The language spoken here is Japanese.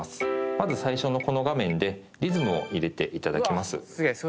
まず最初のこの画面でリズムを入れていただきます。